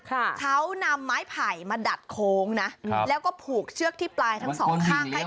ค่ะเขานำไม้ไผ่มาดัดโค้งนะแล้วก็ผูกเชือกที่ปลายทั้งสองข้างให้